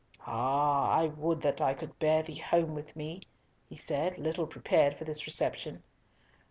"Ah I would that I could bear thee home with me," he said, little prepared for this reception.